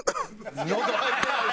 喉開いてない。